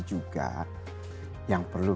juga yang perlu